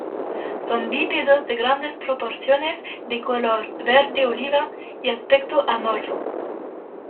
Son bípedos de grandes proporciones, de color verde oliva y aspecto amorfo.